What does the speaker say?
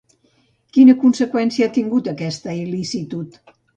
Quina conseqüència ha tingut aquesta il·licitud?